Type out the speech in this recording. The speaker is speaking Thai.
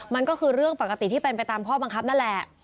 มันก็คือเรื่องปกติที่เป็นไปตามข้อบังคับนั่นแหละ